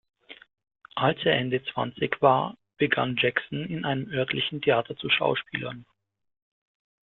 Als er Ende Zwanzig war, begann Jackson in einem örtlichen Theater zu schauspielern.